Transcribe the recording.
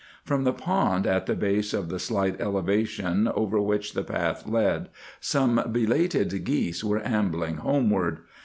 From the pond at the base of the slight elevation over which the path led, some belated geese were ambling homeward.